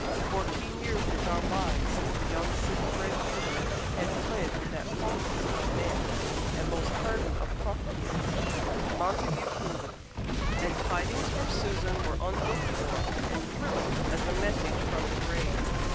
Fourteen years had gone by since the young city bred beauty had fled with that falsest of men, and most hardened of profligates, Montague Kingdon; and tidings from Susan were unlooked for and thrilling as a message from the grave.